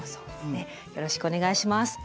よろしくお願いします。